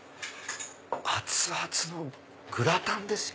熱々のグラタンですよ。